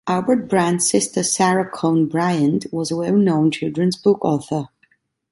Albert Bryant's sister, Sara Cone Bryant, was a well-known children's book author.